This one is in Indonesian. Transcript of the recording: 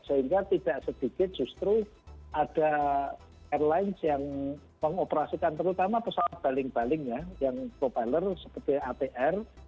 sehingga tidak sedikit justru ada airlines yang mengoperasikan terutama pesawat baling baling ya yang proper seperti atr